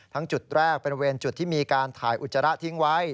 จุดแรกบริเวณจุดที่มีการถ่ายอุจจาระทิ้งไว้